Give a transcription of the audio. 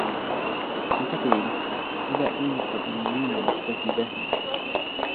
انتظري لحظة، إلى أين تظنّين نفسكِ ذاهبةً؟